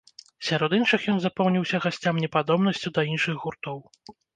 Сярод іншых ён запомніўся гасцям непадобнасцю да іншых гуртоў.